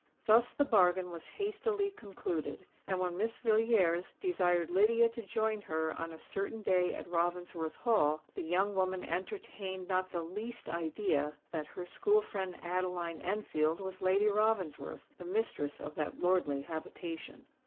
Thus the bargain was hastily concluded; and when Miss Villiers desired Lydia to join her on a certain day at Ravensworth Hall, the young woman entertained not the least idea that her school friend Adeline Enfield was Lady Ravensworth, the mistress of that lordly habitation.